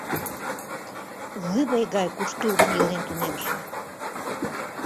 Лыве гай куштылгын илен тунемше.